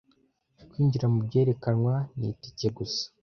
Kwinjira mubyerekanwa ni tike gusa.